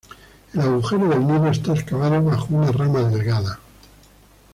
El agujero del nido está excavado bajo una rama delgada.